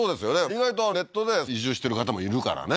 意外とネットね移住してる方もいるからね